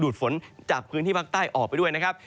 ฝนจากพื้นที่ภาคใต้ออกไปด้วยนะครับ